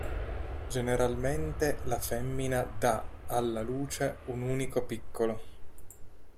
Generalmente la femmina dà alla luce un unico piccolo.